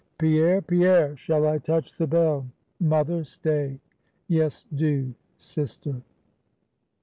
"Pierre, Pierre! shall I touch the bell?" "Mother, stay! yes do, sister."